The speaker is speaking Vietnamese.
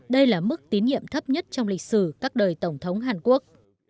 đây là mức tín nhiệm thấp nhất trong lịch sử các đời tổng thống hàn quốc